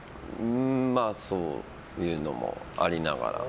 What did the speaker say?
うーんまあ、そういうのもありながら。